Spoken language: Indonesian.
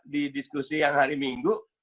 di diskusi yang hari minggu